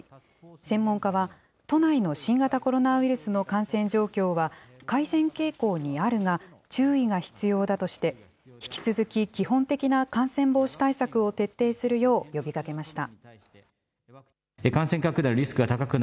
専門家は、都内の新型コロナウイルスの感染状況は、改善傾向にあるが、注意が必要だとして、引き続き、基本的な感染防止対策を徹底するよう呼びかけました。